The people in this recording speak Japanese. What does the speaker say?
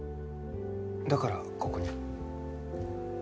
だからここに？